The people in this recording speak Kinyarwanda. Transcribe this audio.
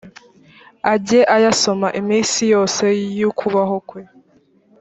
ajye ayasoma iminsi yose y’ukubaho kwe,